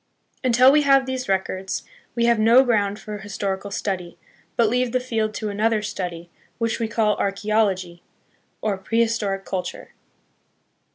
Until we have these records, we have no ground for historical study, but leave the field to another study, which we call Archeology, or Pre historic Culture.